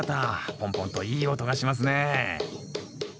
ポンポンといい音がしますね